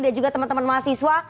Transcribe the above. dan juga teman teman mahasiswa